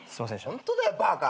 ホントだよバカ！